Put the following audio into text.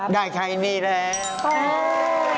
ได้ชายอินดีเลย